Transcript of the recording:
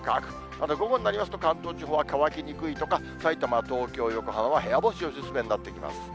また午後になりますと、関東地方は乾きにくいとか、さいたま、東京、横浜は部屋干しお勧めになってきます。